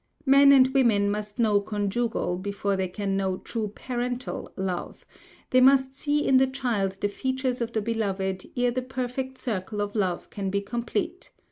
Men and women must know conjugal, before they can know true parental, love; each must see in the child the features of the beloved ere the perfect circle of love can be complete.